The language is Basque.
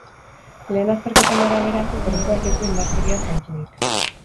Lehen azterketen arabera, gorpuak ez du indarkeria zantzurik.